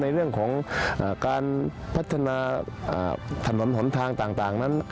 ในเรื่องของการพัฒนาถนนหนทางต่างนั้น